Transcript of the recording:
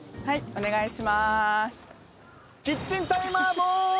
お願いします。